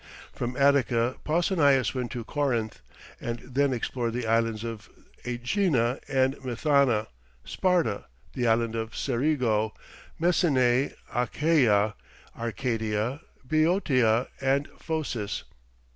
From Attica Pausanias went to Corinth, and then explored the Islands of Ægina and Methana, Sparta, the Island of Cerigo, Messene, Achaia, Arcadia, Boeotia, and Phocis.